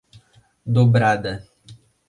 Dobrada